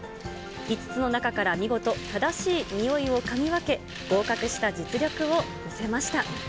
５つの中から見事、正しいにおいを嗅ぎ分け、合格した実力を見せました。